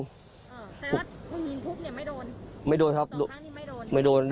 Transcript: แสดงว่าพวกมีนทุบเนี่ยไม่โดนสองครั้งนี้ไม่โดน